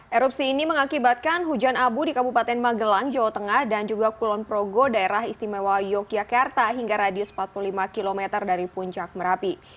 erupsi ini mengakibatkan hujan abu di kabupaten magelang jawa tengah dan juga kulon progo daerah istimewa yogyakarta hingga radius empat puluh lima km dari puncak merapi